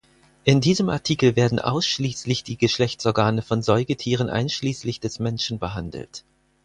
In diesem Artikel werden ausschließlich die Geschlechtsorgane von Säugetieren einschließlich des Menschen behandelt.